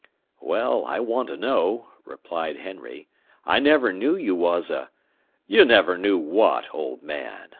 "Well, I want to know," replied Henry. "I never knew you was a " "You never knew what, old man?